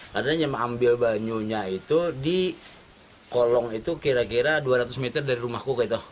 karena yang ambil banyunya itu di kolong itu kira kira dua ratus meter dari rumahku gitu